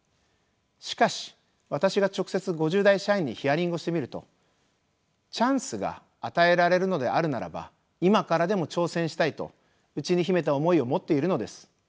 しかし私が直接５０代社員にヒアリングをしてみるとチャンスが与えられるのであるならば今からでも挑戦したいと内に秘めた思いを持っているのです。